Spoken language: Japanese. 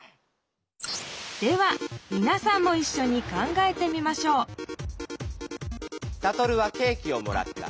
ではみなさんもいっしょに考えてみましょうサトルはケーキをもらった。